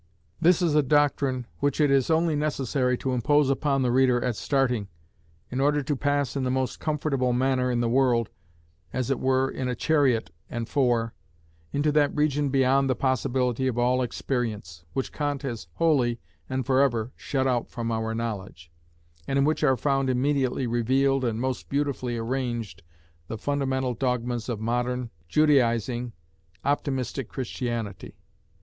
This is a doctrine which it is only necessary to impose upon the reader at starting, in order to pass in the most comfortable manner in the world, as it were in a chariot and four, into that region beyond the possibility of all experience, which Kant has wholly and for ever shut out from our knowledge, and in which are found immediately revealed and most beautifully arranged the fundamental dogmas of modern, Judaising, optimistic Christianity.